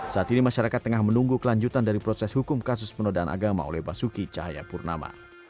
saat ini masyarakat tengah menunggu kelanjutan dari proses hukum kasus penodaan agama oleh basuki cahayapurnama